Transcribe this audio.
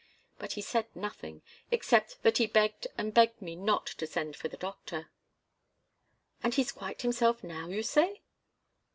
But he said nothing, except that he begged and begged me not to send for the doctor." "And he's quite himself now, you say?"